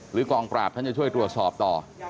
หรือกองปราบจะช่วยตรวจสอบต่อ